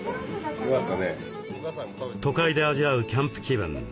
都会で味わうキャンプ気分。